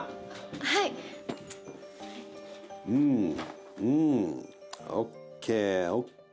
はいうんうんＯＫＯＫ